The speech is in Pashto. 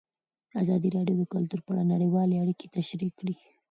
ازادي راډیو د کلتور په اړه نړیوالې اړیکې تشریح کړي.